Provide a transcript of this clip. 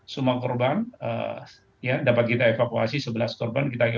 semua korban dapat kita evakuasi sebelas korban kita evakuasi